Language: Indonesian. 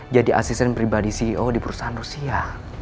jadi asisten pribadi ceo di perusahaan rusia